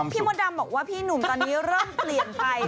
มดดำบอกว่าพี่หนุ่มตอนนี้เริ่มเปลี่ยนไป